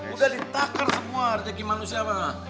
udah ditakar semua rezeki manusia pak